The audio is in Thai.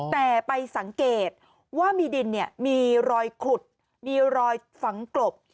แต่ไปสังเกตว่ามีดินมีรอยขุดมีรอยฝังกลบ